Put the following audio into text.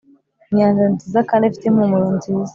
inyanja nziza kandi ifite impumuro nziza,